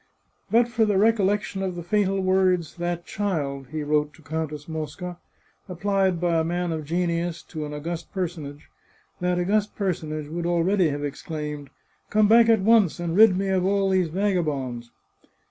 " But for the recollection of the fatal words, * that child,' " he wrote to Countess Mosca, " applied by a man of genius to an august personage, that august personage would already have exclaimed ' Come back at once, and rid me of all these vagabonds.'